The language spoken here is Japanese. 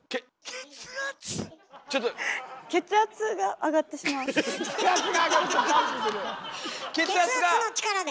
血圧の力で。